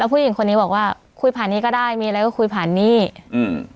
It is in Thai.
ผู้หญิงคนนี้บอกว่าคุยผ่านนี้ก็ได้มีอะไรก็คุยผ่านหนี้อืม